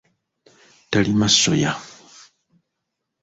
Talima soya.